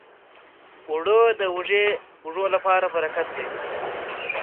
اوړه د وږو لپاره برکت دی